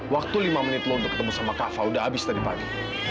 waktu lima menit lo untuk ketemu sama kava udah abis tadi fadi